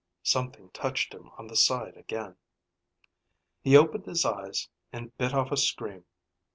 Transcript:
Something touched him on the side again. He opened his eyes, and bit off a scream.